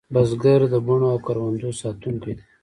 بزګر د بڼو او کروندو ساتونکی دی